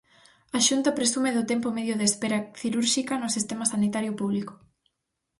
A Xunta presume do tempo medio de espera cirúrxica no sistema sanitario público.